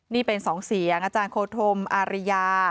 นี่เป็น๒เสียงอาจารย์โคธมอาริยา